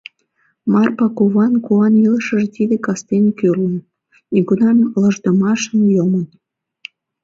Марпа куван куан илышыже тиде кастен кӱрлын, нигунам ылыждымашын йомын.